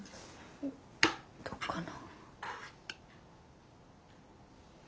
どうかな？